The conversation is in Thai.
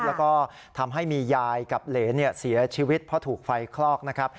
แล้วก็ทำให้มียายกับเหรนเสียชีวิตเพราะถูกไฟคลอกนะครับ